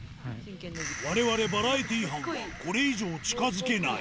われわれバラエティー班は、これ以上近づけない。